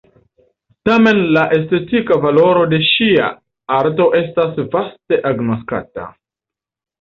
Tamen la estetika valoro de ŝia arto estas vaste agnoskata.